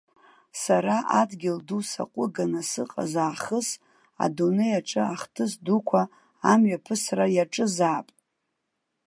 Сара адгьыл ду саҟәыганы сыҟаз аахыс адунеи аҿы ахҭыс дуқәа амҩаԥысра иаҿызаап.